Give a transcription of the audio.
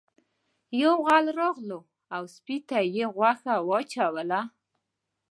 یو غل راغی او سپي ته یې غوښه واچوله.